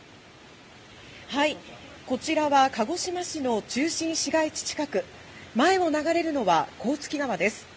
こちらは鹿児島市の中心市街地近く前を流れるのは甲突川です。